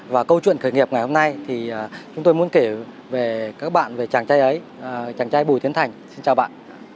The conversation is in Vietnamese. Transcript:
và câu chuyện khởi nghiệp ngày hôm nay thì chúng tôi muốn kể về các bạn về chàng trai ấy chàng trai bùi tiến thành xin chào bạn